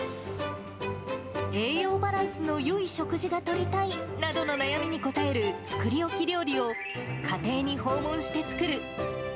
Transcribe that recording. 栄養バランスのよい食事がとりたいなどの悩みに応える作り置き料理を、家庭に訪問して作る。